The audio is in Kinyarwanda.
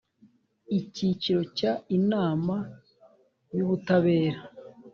icyiciro cya inama y ubutabera